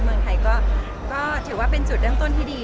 เมืองไทยก็ถือว่าเป็นจุดเริ่มต้นที่ดี